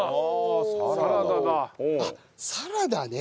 あっサラダね。